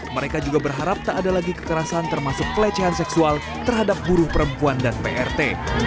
mereka juga berharap tak ada lagi kekerasan termasuk pelecehan seksual terhadap buruh perempuan dan prt